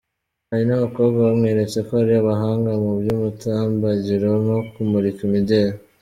Hari n'abakobwa bamweretse ko ari abahanga mu by'umutambagiro no kumurika imideli.